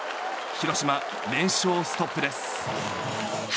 広島、連勝ストップです。